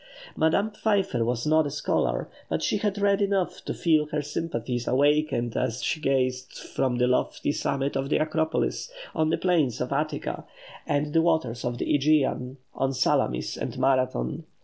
Madame Pfeiffer was not a scholar, but she had read enough to feel her sympathies awakened as she gazed from the lofty summit of the Acropolis on the plains of Attica and the waters of the Ægean, on Salamis and Marathon.